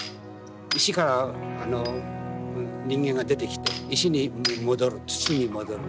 石から人間が出てきて石に戻る土に戻る。